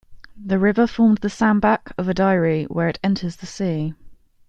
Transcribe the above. The river formed the sandbank of Oddeyri where it enters the sea.